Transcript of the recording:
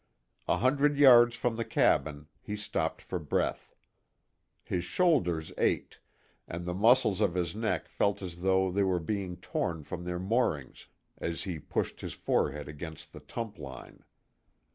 A hundred yards from the cabin he stopped for breath. His shoulders ached, and the muscles of his neck felt as though they were being torn from their moorings as he pushed his forehead against the tump line.